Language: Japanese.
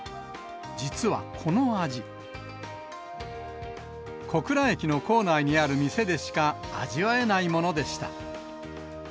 実はこの味、小倉駅の構内にある店でしか味わえないものでした。